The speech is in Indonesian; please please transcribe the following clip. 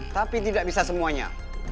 tapi tidak bisa semuanya